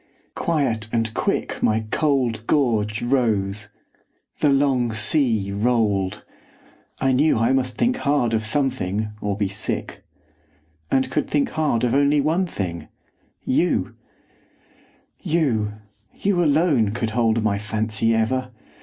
Quiet and quick My cold gorge rose; the long sea rolled; I knew I must think hard of something, or be sick; And could think hard of only one thing YOU! You, you alone could hold my fancy ever!